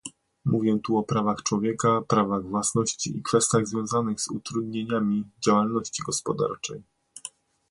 Mówię tu o prawach człowieka, prawach własności i kwestiach związanych z utrudnieniami działalności gospodarczej